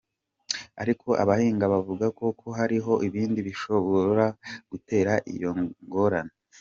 Ariko abahinga bavuga ko hariho ibindi bishobora gutera iyo ngorane.